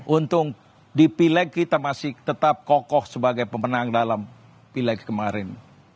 untung di pileg kita masih tetap kokoh sebagai pemenang dalam pileg kemarin